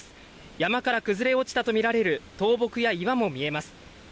山から崩れ落ちたと見られる倒木や岩も見えます。